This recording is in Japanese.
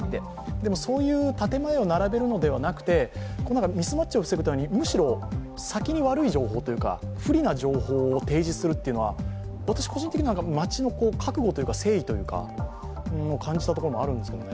でも、そういう建て前を並べるのではなくてむしろ先に悪い情報というか、不利な情報を提示するというのは個人的に町の覚悟というか正義を感じたところもあるんですけどね。